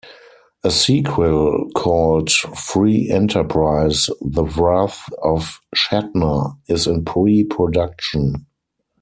A sequel called "Free Enterprise: The Wrath of Shatner" is in pre-production.